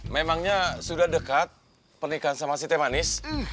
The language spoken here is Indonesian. memangnya sudah dekat pernikahan sama si temanis